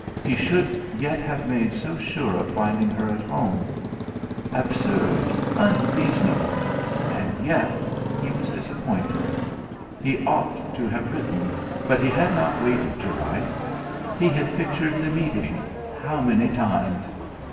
he should yet have made so sure of finding her at home. Absurd, unreasonable and yet he was disappointed. He ought to have written, but he had not waited to write. He had pictured the meeting how many times?